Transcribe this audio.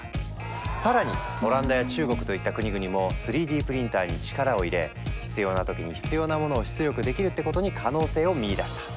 更にオランダや中国といった国々も３Ｄプリンターに力を入れ「必要な時に必要なモノを出力できる」ってことに可能性を見いだした。